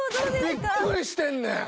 びっくりしてんねん！